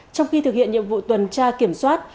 trong khi thực hiện nhiệm vụ tuần tra kiểm soát